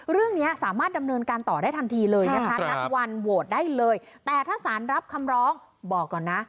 เรื่องนี้สามารถดำเนินการต่อได้ทันทีเลยนะคะนัดวันโหวตได้เลยแต่ถ้าสารรับคำร้องบอกก่อนนะ